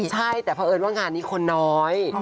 ใช่แต่เพราะเอิญว่างานนี้คนน้อย